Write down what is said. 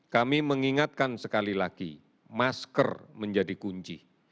kami mengingatkan sekali lagi masker menjadi kunci